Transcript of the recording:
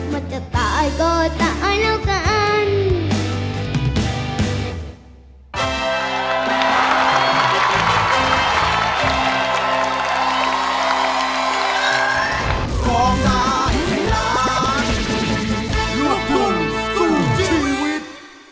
มันจะตายก็ตายแล้วกัน